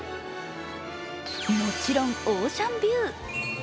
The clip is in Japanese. もちろんオーシャンビュー。